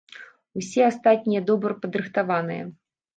Усе астатнія добра падрыхтаваныя.